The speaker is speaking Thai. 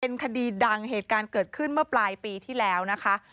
คดีดังเหตุการณ์เกิดขึ้นเมื่อปลายปีที่แล้วนะคะ